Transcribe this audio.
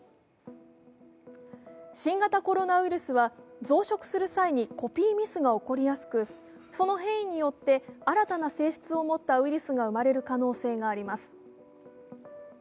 新型コロナウイルスは増殖する際にコピーミスが起こりやすくその変異によって新たな性質を持ったウイルスが生まれる可能性があります。